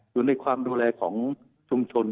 อยู่ในความดูแลของชุมชน